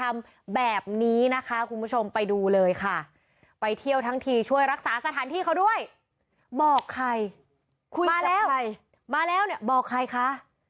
มาแล้วเนี่ยบอกใครคะ